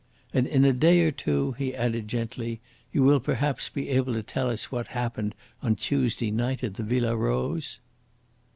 And in a day or two," he added gently, "you will perhaps be able to tell us what happened on Tuesday night at the Villa Rose?"